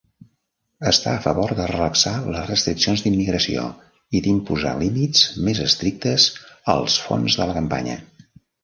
Està a favor de relaxar les restriccions d'immigració i d'imposar límits més estrictes als fons de la campanya.